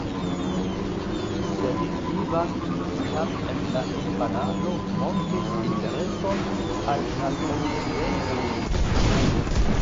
Sed Ivan jam en la infanaĝo montris intereson al naturscienco.